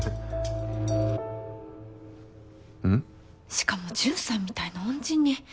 しかも淳さんみたいな恩人に。